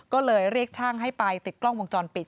ก็เลยเรียกช่างให้ไปติดกล้องวงจรปิด